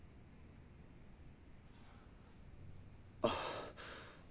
あっ。